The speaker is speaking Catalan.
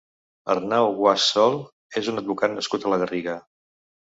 Arnau Guasch Sol és un advocat nascut a la Garriga.